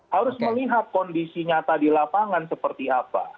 harus melihat kondisi nyata di lapangan seperti apa